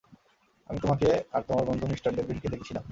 আমি তোমাকে আর তোমার বন্ধু মিস্টার ডেভলিনকে দেখছিলাম।